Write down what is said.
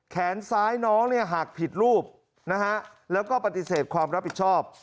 แขนซ้ายน้องหากผิดรูปแล้วก็ปฏิเสธความรับผิดชอบ